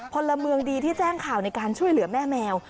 พลเมืองดีที่แจ้งข่าวในการช่วยเหลือแม่แมว